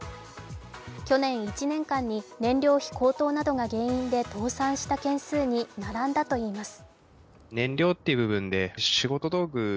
去年１年間に燃料費高騰などが原因で倒産した件数に並んだといいます。